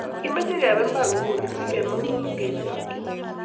Kimache kepe mbar ingun si kemangun kechakkchin